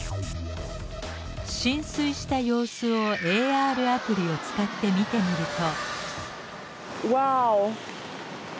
浸水した様子をＡＲアプリを使って見てみると。